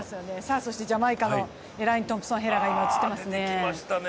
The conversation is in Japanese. そしてジャマイカのエライン・トンプソン・ヘラが出てきましたね。